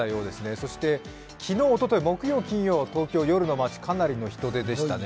そして昨日、おととい、木曜、金曜、東京、夜の街、かなりの人出でしたね。